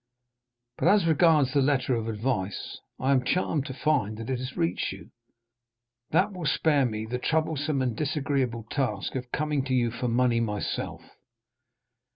But as regards the letter of advice, I am charmed to find that it has reached you; that will spare me the troublesome and disagreeable task of coming to you for money myself.